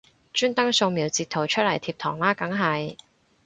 專登掃瞄截圖出嚟貼堂啦梗係